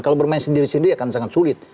kalau bermain sendiri sendiri akan sangat sulit